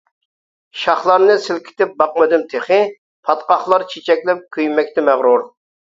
شاخلارنى سىلكىتىپ باقمىدىم تېخى, پاتقاقلار چېچەكلەپ كۆيمەكتە مەغرۇر.